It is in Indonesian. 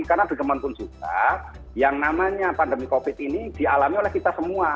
karena benar benar pun juga yang namanya pandemi covid ini dialami oleh kita semua